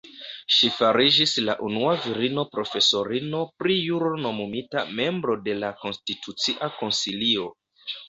Ŝi fariĝis la unua virino profesorino pri juro nomumita membro de la Konstitucia Konsilio.